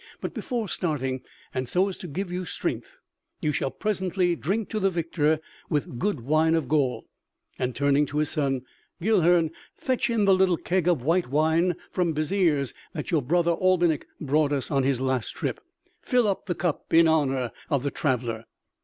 But before starting, and so as to give you strength, you shall presently drink to the victor with good wine of Gaul," and turning to his son: "Guilhern, fetch in the little keg of white wine from Beziers that your brother Albinik brought us on his last trip; fill up the cup in honor of the traveler."